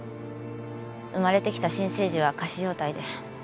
生まれてきた新生児は仮死状態で。